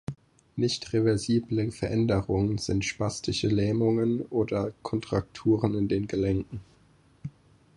Nicht reversible Veränderungen sind spastische Lähmungen oder Kontrakturen in den Gelenken.